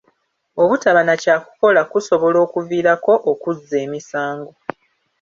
Obutaba na kyakukola kusobola okuviirako okuzza emisango.